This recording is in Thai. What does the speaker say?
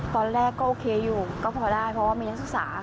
ตอนแรกก็โอเคอยู่ก็พอได้เพราะว่ามีนักศึกษา